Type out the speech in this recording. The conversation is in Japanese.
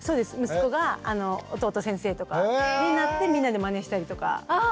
息子が弟先生とかになってみんなでまねしたりとかやってます。